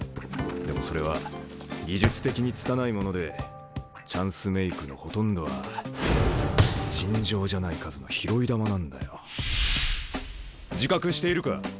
でもそれは技術的に拙いものでチャンスメークのほとんどは尋常じゃない数の拾い球なんだよ。自覚しているか？